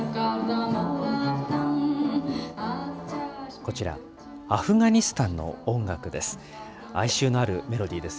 こちら、アフガニスタンの音楽です。